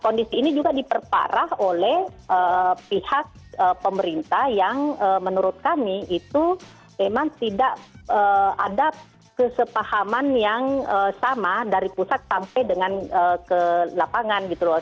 kondisi ini juga diperparah oleh pihak pemerintah yang menurut kami itu memang tidak ada kesepahaman yang sama dari pusat sampai dengan ke lapangan gitu loh